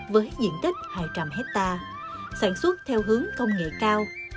với diện tích hai trăm linh hectare sản xuất theo hướng công nghệ cao